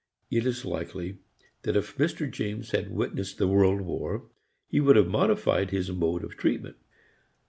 It is likely that if Mr. James had witnessed the world war, he would have modified his mode of treatment.